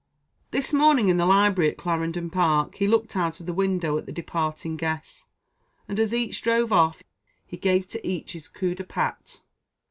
This morning, in the library at Clarendon Park, he looked out of the window at the departing guests, and, as each drove off, he gave to each his coup de patte.